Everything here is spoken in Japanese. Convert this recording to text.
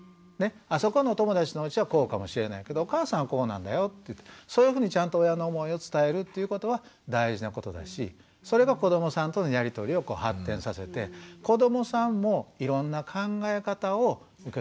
あそこのお友達のうちはこうかもしれないけどお母さんはこうなんだよってそういうふうにちゃんと親の思いを伝えるっていうことは大事なことだしそれが子どもさんとのやり取りを発展させて子どもさんもいろんな考え方を受け止めようとするようにねっ。